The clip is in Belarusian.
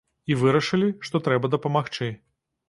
І вырашылі, што трэба дапамагчы.